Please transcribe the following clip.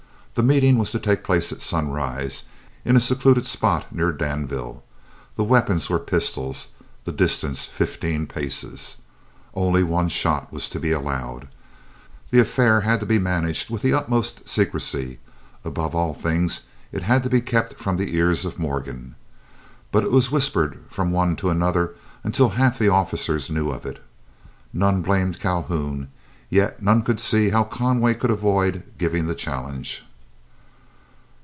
The meeting was to take place at sunrise, in a secluded spot near Danville; the weapons were pistols, the distance fifteen paces. Only one shot was to be allowed. The affair had to be managed with the utmost secrecy; above all things, it had to be kept from the ears of Morgan. But it was whispered from one to another until half the officers knew of it. None blamed Calhoun, yet none could see how Conway could avoid giving the challenge.